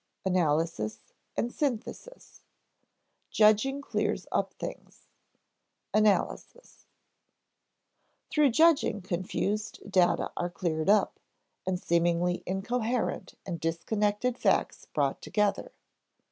Analysis and Synthesis [Sidenote: Judging clears up things: analysis] Through judging confused data are cleared up, and seemingly incoherent and disconnected facts brought together.